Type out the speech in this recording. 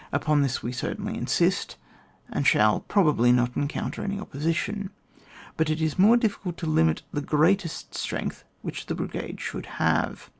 Upon this we certainly insist, and shall probably not encounter any opposition ; but it is more difficult to limit the greatest strength which the brigade shoidd have.